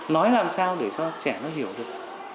nói làm sao để cho trẻ nó hiểu được